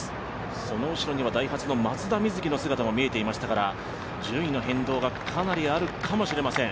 その後ろにはダイハツの松田瑞生の姿も見えていましたから順位の変動がかなりあるかもしれません。